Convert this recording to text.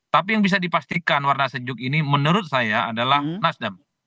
tapi yang bisa dipastikan warna sejuk ini menurut saya adalah nasdem